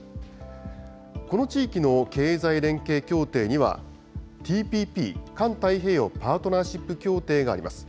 この地域の経済連携協定には、ＴＰＰ・環太平洋パートナーシップ協定があります。